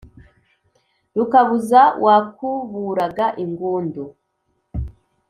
rukabuza wakuburaga ingundu